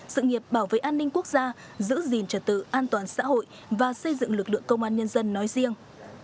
sự nghiệp bảo vệ an ninh quốc gia giữ gìn trật tự an toàn xã hội và xây dựng lực lượng công an nhân dân nói riêng